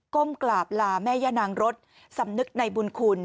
้มกราบลาแม่ย่านางรสสำนึกในบุญคุณ